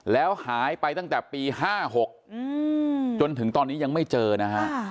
แล้วหายไปตั้งแต่ปี๕๖จนถึงตอนนี้ยังไม่เจอนะฮะ